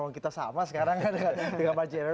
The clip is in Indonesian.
kalau kita sama sekarang kan dengan pak jero